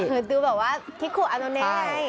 คือดูแบบว่าคิกคุอันนโนเน